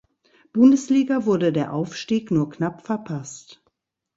Bundesliga wurde der Aufstieg nur knapp verpasst.